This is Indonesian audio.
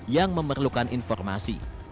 yang memerlukan informasi